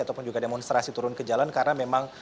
ataupun juga demonstrasi turun ke jalan karena memang